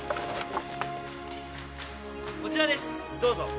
・こちらですどうぞ。